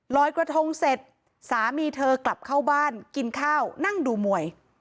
ลอยกระทงเสร็จสามีเธอกลับเข้าบ้านกินข้าวนั่งดูมวย